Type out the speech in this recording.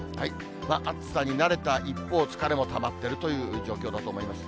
暑さに慣れた一方、疲れもたまっているという状況だと思います。